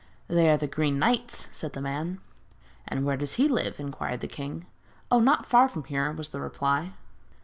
'They are the Green Knight's,' said the man. 'And where does he live?' inquired the king. 'Oh, not far from here,' was the reply.